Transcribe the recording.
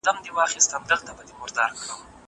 امادګي وکړه!